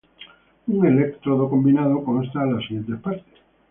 Un electrodo combinado consta de las siguientes partes.